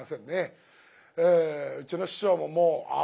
うちの師匠ももうああ